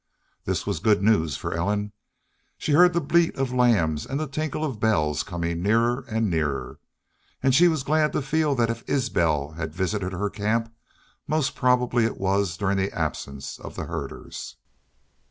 This was good news for Ellen. She heard the bleat of lambs and tinkle of bells coming nearer and nearer. And she was glad to feel that if Isbel had visited her camp, most probably it was during the absence of the herders.